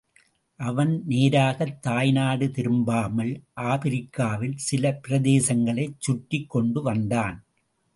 அவன் நேராகத் தாய்நாடு திரும்பாமல், ஆப்பிரிக்காவில் சில பிரதேசங்களைச் சுற்றிக் கொண்டு வந்தான்.